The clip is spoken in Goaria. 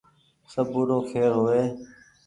سبو رو کير هووي